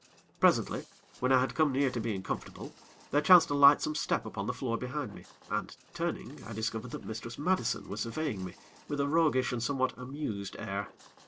Presently, when I had come near to being comfortable, there chanced a lightsome step upon the floor behind me, and, turning, I discovered that Mistress Madison was surveying me with a roguish and somewhat amused air.